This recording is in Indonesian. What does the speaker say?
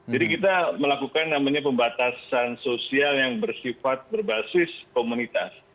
jadi kita melakukan namanya pembatasan sosial yang bersifat berbasis komunitas